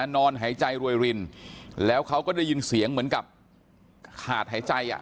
นอนหายใจรวยรินแล้วเขาก็ได้ยินเสียงเหมือนกับขาดหายใจอ่ะ